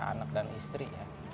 anak dan istri